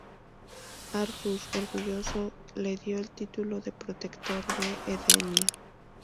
Argus, orgulloso, le dio el título de Protector de Edenia.